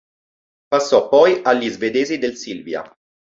Passò poi agli svedesi del Sylvia.